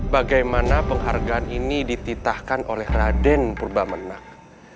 bagaimana penghargaan ini dititahkan oleh raden purba menang